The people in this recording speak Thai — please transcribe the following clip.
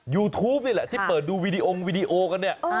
ยูทูปนี่แหละที่เปิดดูวีดีโอวีดีโอกันเนี่ย